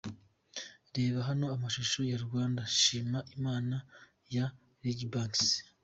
Reba hano amashusho ya' Rwanda shima Imana' ya Regy Banks.